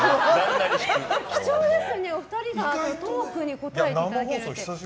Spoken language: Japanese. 貴重ですよね、お二人がトークに答えていただけるって。